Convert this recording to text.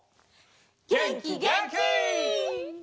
げんきげんき！